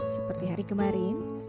seperti hari kemarin